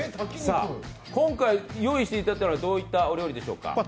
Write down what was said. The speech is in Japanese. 今回、」用意していただいたのはどういった料理でしょうか？